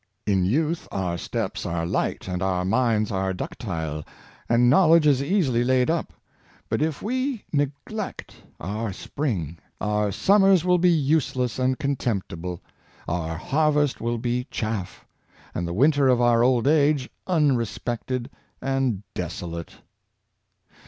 In youth our steps are light, and our minds are ductile, and knowledge is easily laid up, but if we neglect our spring, our summers will be useless and contemptible, our harvest will be chaff, and the winter of our old age unrespected and desolate."